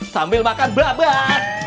sambil makan bat